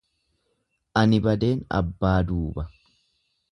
Ani badeen abbaa duuba.